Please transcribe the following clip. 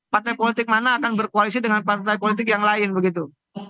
partai politik mana akan berkoalisi dengan partai politik yang lain begitu